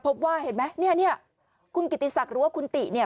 พบว่าเห็นไหมเนี่ยคุณกิติศักดิ์หรือว่าคุณติเนี่ย